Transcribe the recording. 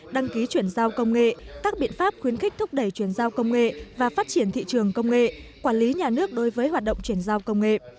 đăng ký chuyển giao công nghệ các biện pháp khuyến khích thúc đẩy chuyển giao công nghệ và phát triển thị trường công nghệ quản lý nhà nước đối với hoạt động chuyển giao công nghệ